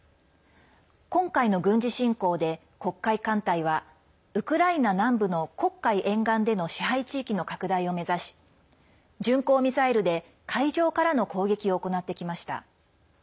今回の軍事侵攻で黒海艦隊はウクライナ南部の黒海沿岸での支配地域の拡大を目指し巡航ミサイルで海上からの攻撃を行ってきました。